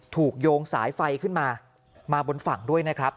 โยงสายไฟขึ้นมามาบนฝั่งด้วยนะครับ